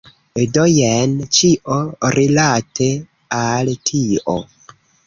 Do jen ĉio rilate al tio.